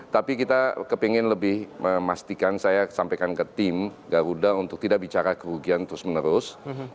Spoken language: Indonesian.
tapi kita kepengen lebih memastikan saya sampaikan ke tim garuda untuk tidak bicara kerugian terus menerus